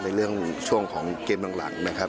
ในเรื่องช่วงของเกมดังหลังนะครับ